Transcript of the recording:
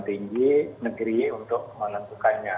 tinggi negeri untuk menentukannya